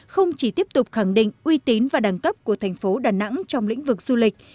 không chỉ tiếp tục khẳng định uy tín và đẳng cấp của thành phố đà nẵng trong lĩnh vực du lịch